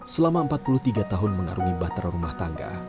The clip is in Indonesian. selama empat puluh tiga tahun mengarungi batara rumah tangga